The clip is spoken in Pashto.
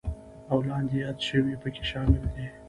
او لاندې یاد شوي پکې شامل دي: